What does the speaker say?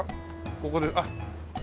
ここであっ。